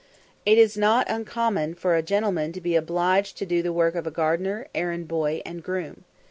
It is not an uncommon thing for a gentleman to be obliged to do the work of gardener, errand boy, and groom.